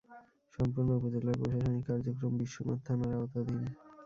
সম্পূর্ণ উপজেলার প্রশাসনিক কার্যক্রম বিশ্বনাথ থানার আওতাধীন।